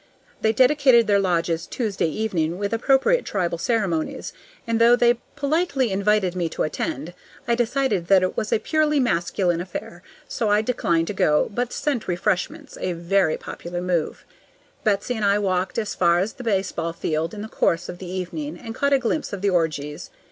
They dedicated their lodges Tuesday evening with appropriate tribal ceremonies. And though they politely invited me to attend, I decided that it was a purely masculine affair, so I declined to go, but sent refreshments, a very popular move. Betsy and I walked as far as the baseball field in the course of the evening, and caught a glimpse of the orgies.